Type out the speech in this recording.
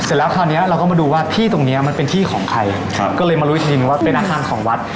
เสร็จแล้วคราวนี้เราก็มาดูว่าที่ตรงเนี้ยมันเป็นที่ของใครครับก็เลยมารู้อีกทีนึงว่าเป็นอาคารของวัด